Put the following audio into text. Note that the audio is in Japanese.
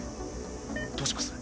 どうします？